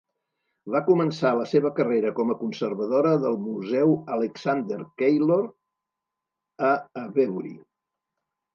Va començar la seva carrera com a conservadora del museu Alexander Keillor, a Avebury.